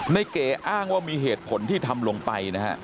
เก๋อ้างว่ามีเหตุผลที่ทำลงไปนะฮะ